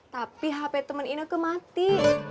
tapi hp temen ineku mati